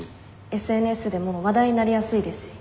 ＳＮＳでも話題になりやすいですし。